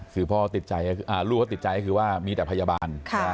คือพ่อติดใจลูกเขาติดใจก็คือว่ามีแต่พยาบาล